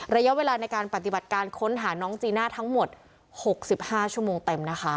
ระยะเวลาในการปฏิบัติการค้นหาน้องจีน่าทั้งหมด๖๕ชั่วโมงเต็มนะคะ